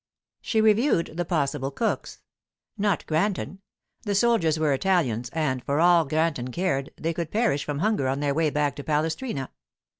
She reviewed the possible cooks. Not Granton. The soldiers were Italians, and, for all Granton cared, they could perish from hunger on their way back to Palestrina.